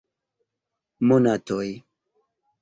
Monatoj!